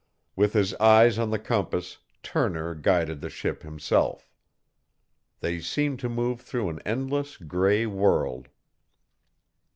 With his eyes on the compass, Turner guided the ship himself. They seemed to move through an endless gray world.